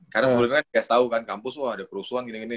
karena sebenernya kan siasat tau kan kampus wah ada kerusuhan gini gini